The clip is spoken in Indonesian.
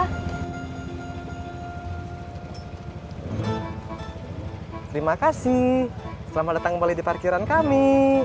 terima kasih selamat datang kembali di parkiran kami